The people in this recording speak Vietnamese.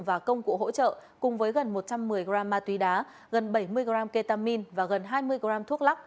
và công cụ hỗ trợ cùng với gần một trăm một mươi g ma túy đá gần bảy mươi g ketamin và gần hai mươi g thuốc lắc